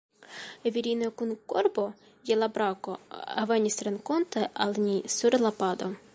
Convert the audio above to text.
Virino kun korbo je la brako venis renkonte al ni sur la pado.